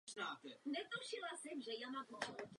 Toto je problém, který postihuje celý svět.